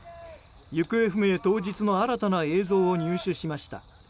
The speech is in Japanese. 行方不明当日の新たな映像を入手しました。